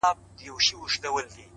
• له څپو څخه د امن و بېړۍ ته ,